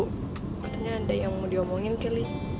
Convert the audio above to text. katanya ada yang mau diomongin kali